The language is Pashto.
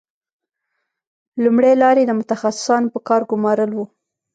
لومړۍ لار یې د متخصصانو په کار ګومارل وو